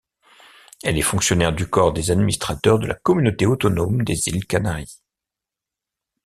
Elle est fonctionnaire du corps des administrateurs de la communauté autonome des Iles Canaries.